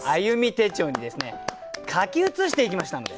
手帳にですね書き写していきましたので。